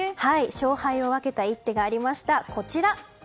勝敗を分けた一手がありました。